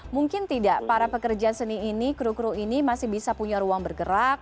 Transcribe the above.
mungkin tidak para pekerja seni ini kru kru ini masih bisa punya ruang bergerak